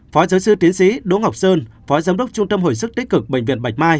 phó giáo sư tiến sĩ đỗ ngọc sơn phó giám đốc trung tâm hồi sức tích cực bệnh viện bạch mai